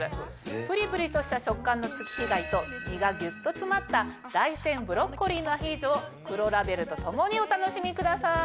プリプリとした食感の月日貝と身がギュっと詰まった大山ブロッコリーのアヒージョを黒ラベルとともにお楽しみください。